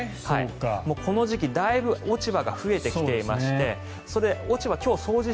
この時期、だいぶ落ち葉が増えてきていまして落ち葉の掃除